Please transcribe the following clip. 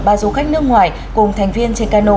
ba du khách nước ngoài cùng thành viên trên cano